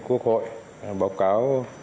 quốc hội báo cáo